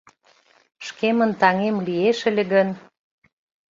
Шкемын таҥем лиеш ыле гын